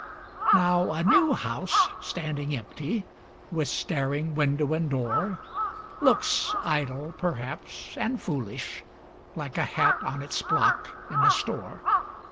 Now, a new house standing empty, with staring window and door, Looks idle, perhaps, and foolish, like a hat on its block in the store.